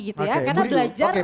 karena belajar dari